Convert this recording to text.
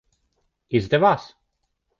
Izdevās?